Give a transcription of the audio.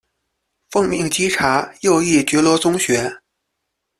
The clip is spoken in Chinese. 奉命稽查右翼觉罗宗学。